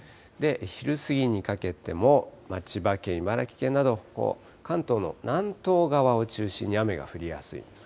昼過ぎにかけても、千葉県、茨城県など、関東の南東側を中心に雨が降りやすいです。